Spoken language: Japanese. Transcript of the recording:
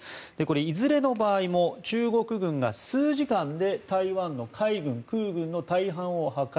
いずれの場合も中国軍が数時間で台湾の海軍、空軍の大半を破壊。